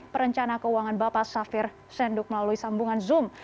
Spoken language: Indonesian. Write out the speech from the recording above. perencana keuangan bapak safir senduk melalui sambungan zoom